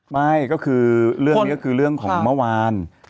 ไม่ก็คือเรื่องนี้ก็คือเรื่องของเมื่อวาน